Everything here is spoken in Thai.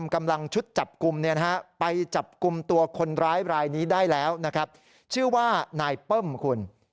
คุมตัวคนร้ายบรายนี้ได้แล้วชื่อว่านเป้มคุณ